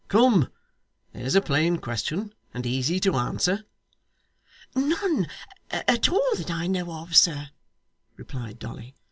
'Come. There's a plain question; and easy to answer.' 'None at all that I know of sir,' replied Dolly.